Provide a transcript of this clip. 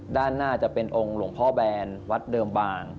ด้านหน้าจะเป็นองค์หลวงพ่อแบนวัดเดิมบาง